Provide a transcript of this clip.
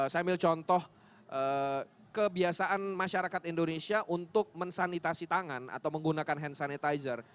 saya ambil contoh kebiasaan masyarakat indonesia untuk mensanitasi tangan atau menggunakan hand sanitizer